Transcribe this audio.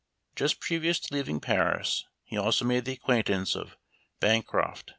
Just previous to leaving Paris he also made the acquaintance of Bancroft